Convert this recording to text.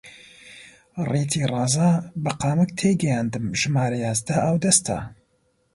ڕیتی ڕازا! بە قامک تێیگەیاندم ژمارە یازدە ئاودەستە